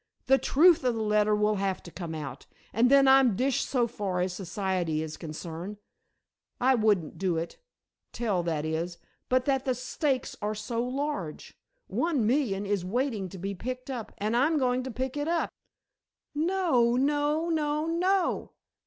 "The truth of the letter will have to come out, and then I'm dished so far as society is concerned. I wouldn't do it tell that is but that the stakes are so large. One million is waiting to be picked up and I'm going to pick it up." "No! no! no! no!"